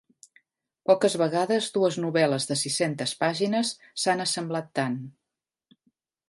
Poques vegades dues novel·les de sis-centes pàgines s'han assemblat tant.